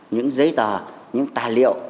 những giấy tờ những tài liệu